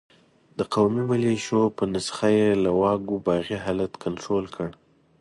د قومي ملېشو په نسخه یې له واګو باغي حالت کنترول کړ.